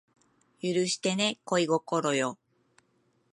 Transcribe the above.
許してね恋心よ